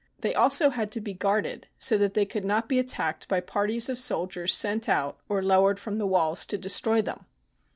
They had also to be guarded so that they could not be at tacked by parties of soldiers sent out or lowered from the walls to destroy them.